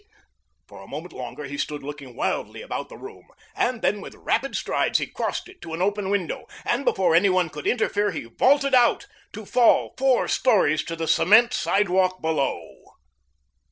For a moment longer he stood looking wildly about the room, and then with rapid strides he crossed it to an open window, and before any one could interfere he vaulted out, to fall four stories to the cement sidewalk below.